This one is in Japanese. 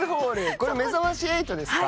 これ『めざまし８』ですか？